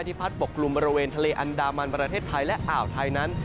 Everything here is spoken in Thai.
พัดปกกลุ่มบริเวณทะเลอันดามันประเทศไทยและอ่าวไทยนั้น